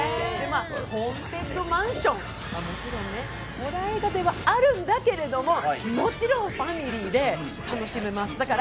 「ホーンテッドマンション」はもちろんホラー映画ではあるんだけれども、もちろんファミリーで楽しめます。